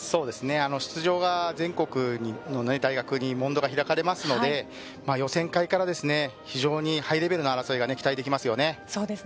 出場が全国の大学に門戸が開かれますので予選会から非常にハイレベルな争いが期待できますね。